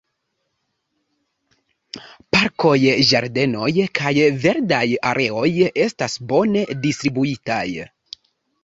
Parkoj, ĝardenoj kaj verdaj areoj estas bone distribuitaj.